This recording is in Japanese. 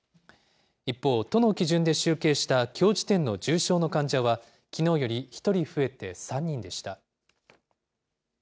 一方、都の基準で集計したきょう時点の重症の患者は、きのうより１人増えて３人でした。